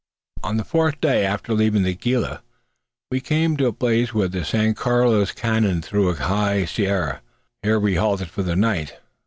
On the fourth day after leaving the Gila, we came to a place where the San Carlos canoned through a high sierra. Here we halted for the night.